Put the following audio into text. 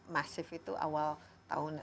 masif itu awal tahun